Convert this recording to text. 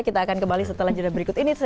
kita akan kembali setelah jadwal berikut ini